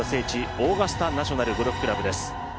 オーガスタ・ナショナル・ゴルフクラブです。